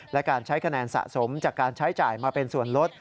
และการใช้คะแนนสะสมจากการใช้จ่ายมาเป็นส่วนลด